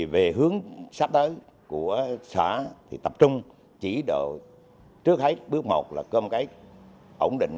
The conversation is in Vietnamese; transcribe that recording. về hướng sắp tới của xã thì tập trung chỉ đạo trước hết bước một là cơm cái ổn định